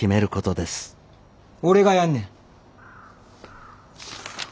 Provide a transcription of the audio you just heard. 俺がやんねん。